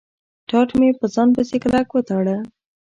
ټاټ مې په ځان پسې کلک و تاړه.